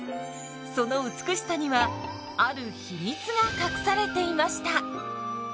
その美しさにはある秘密が隠されていました。